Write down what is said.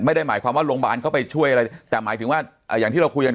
ไม่ได้หมายความว่าโรงพยาบาลเข้าไปช่วยอะไรแต่หมายถึงว่าอย่างที่เราคุยกัน